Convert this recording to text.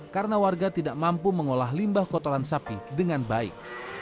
karena warga tidak mampu mengolah limbah kotoran sapi dengan baik